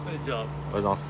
おはようございます。